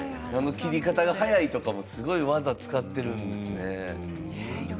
切り方が早いとかすごいワザを使っているんですね。